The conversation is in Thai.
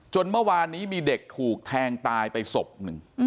เมื่อวานนี้มีเด็กถูกแทงตายไปศพหนึ่ง